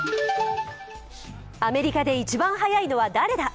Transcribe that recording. アメリカで一番速いのは誰だ。